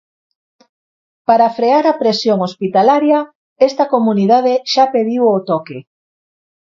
Para frear a presión hospitalaria, esta comunidade xa pediu o toque.